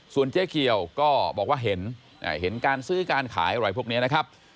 ส่วนเจ๊เกียวก็บอกว่าเห็นเห็นการซื้อการขายอะไรพวกนี้นะครับ